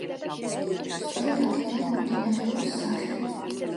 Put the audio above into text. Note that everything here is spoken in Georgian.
სწორედ აქედან მომდინარეობს სახელი.